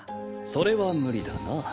それは無理だな。